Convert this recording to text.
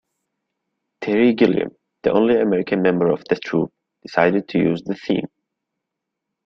Terry Gilliam, the only American member of the troupe, decided to use the theme.